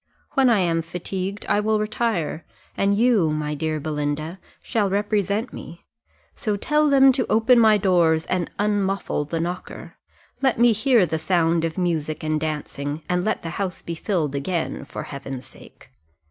When I am fatigued, I will retire, and you, my dear Belinda, shall represent me; so tell them to open my doors, and unmuffle the knocker: let me hear the sound of music and dancing, and let the house be filled again, for Heaven's sake.